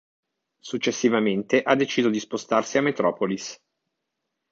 Successivamente ha deciso di spostarsi a Metropolis.